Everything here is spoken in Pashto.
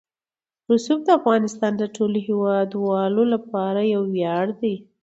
رسوب د افغانستان د ټولو هیوادوالو لپاره یو ویاړ دی.